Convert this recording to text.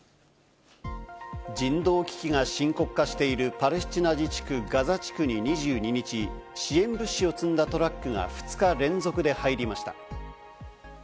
人道危機が深刻化しているパレスチナ自治区ガザ地区に２２日、支援物資を積んだトラックが２日連続で入りました。